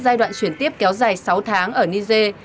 giai đoạn chuyển tiếp kéo dài sáu tháng ở niger